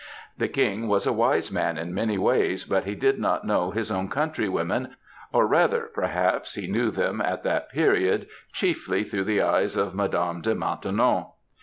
The King was a wise man in many ways, but he did not know his own countrywomen, or rather, perhaps, he knew them at that period chiefly through the eyes of Mme. de Maintenon.